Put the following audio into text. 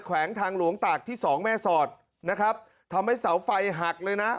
แวงทางหลวงตากที่สองแม่สอดนะครับทำให้เสาไฟหักเลยนะ